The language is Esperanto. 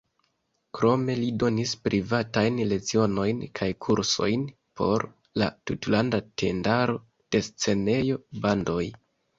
Krome li donis privatajn lecionojn kaj kursojn por la Tutlanda Tendaro de Scenejo-Bandoj.